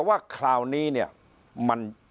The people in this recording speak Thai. พักพลังงาน